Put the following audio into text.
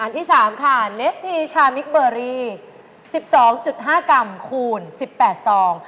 อันที่สามค่ะเนสทีชามิกเบอรีสิบสองจุดห้ากรัมคูณสิบแปดสอง